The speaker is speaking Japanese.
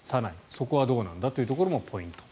そこはどうなんだというところもポイント。